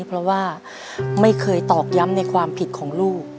เพราะว่าไม่เคยตอกย้ำในความผิดของลูก